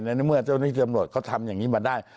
ในเมื่อเจ้าหน้าที่ตำรวจเขาทำอย่างนี้มาได้